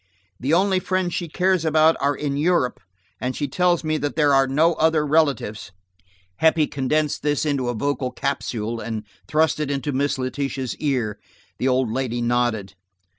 The only friends she cares about are in Europe, and she tells me there are no other relatives." Heppie condensed this into a vocal capsule, and thrust it into Miss Letitia's ear. The old lady nodded.